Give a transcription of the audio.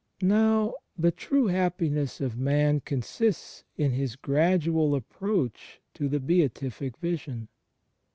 Now, the true happiness of man consists in his gradual approach to the Beatific Vision.